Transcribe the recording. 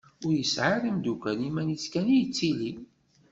Ur yesɛi ara imdukal, iman-is kan i yettili.